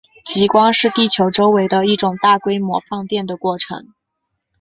极光是地球周围的一种大规模放电的过程。